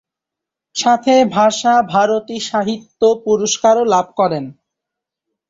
সাথে ভাষা-ভারতী সাহিত্য পুরস্কারও লাভ করেন।